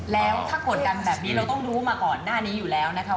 แล้วถ้ากดดันแบบนี้เราต้องรู้มาก่อนหน้านี้อยู่แล้วนะคะ